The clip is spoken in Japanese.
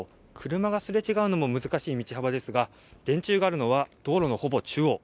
車がすれ違うのも難しい道幅ですが電柱があるのは道路のほぼ中央。